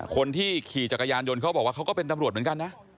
คนที่ขี่จักรยานยนต์เขาบอกว่าเขาก็เป็นตำรวจเหมือนกันนะ